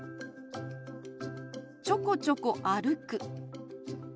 「ちょこちょこ歩く」。